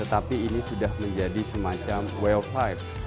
tetapi ini sudah menjadi semacam wild life